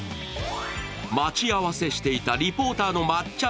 待ち合わせしていたリポーターのまっちゃ